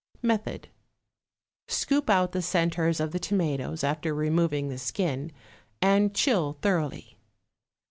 Method. Scoop out the centres of the tomatoes, after removing the skin, and chill thoroughly.